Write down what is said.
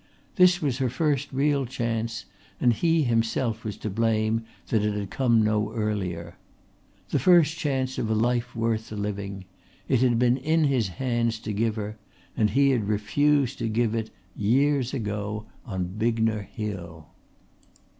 This was her first real chance and he himself was to blame that it had come no earlier. The first chance of a life worth the living it had been in his hands to give her and he had refused to give it years ago on Bignor Hill.